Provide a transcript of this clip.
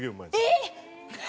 えっ！